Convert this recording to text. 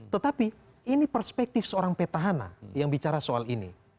tetapi ini perspektif seorang petahana yang bicara soal ini